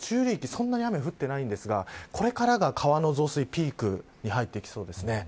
そんなに雨が降っていませんがこれからが川の増水ピークに入ってきそうです。